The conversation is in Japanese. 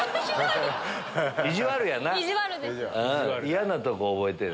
嫌なとこ覚えてる。